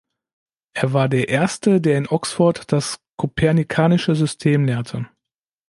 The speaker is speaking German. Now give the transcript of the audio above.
Er war der Erste, der in Oxford das Kopernikanische System lehrte.